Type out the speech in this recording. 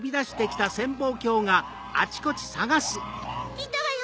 ・いたわよ